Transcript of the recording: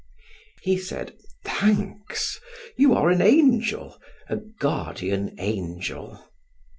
He said: "Thanks; you are an angel a guardian angel."